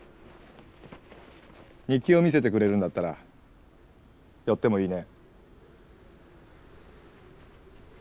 日記を見せてくれるんだったら寄ってもいいね。